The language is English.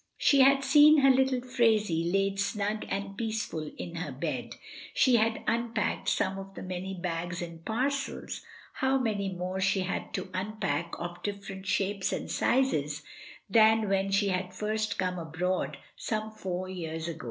She had seen her little Phraisie laid snug and peaceful in her bed; she had unpacked some of the many bags and parcels (how many more she had to unpack of different shapes and sizes than when she had first come abroad some four years ago!).